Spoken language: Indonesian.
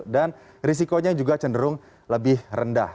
dan risikonya juga cenderung lebih rendah